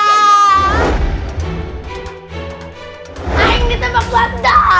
ayo ditembak wanda